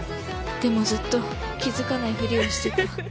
でもずっと気付かないふりをしてた。